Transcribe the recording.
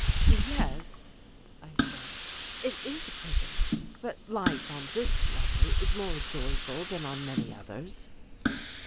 "Yes," I said, "it is a prison, but life on this level is more joyful than on many others."